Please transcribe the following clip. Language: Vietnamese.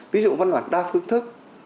ví dụ văn bản đa phương thức